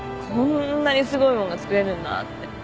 こんなにすごい物が造れるんだって。